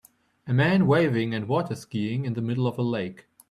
A man waving and waterskiing in the middle of a lake.